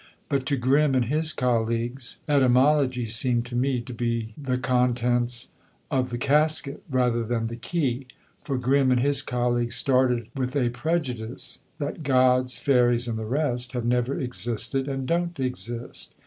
But to Grimm and his colleagues etymology seemed to me to be the contents of the casket rather than the key; for Grimm and his colleagues started with a prejudice, that Gods, fairies and the rest have never existed and don't exist.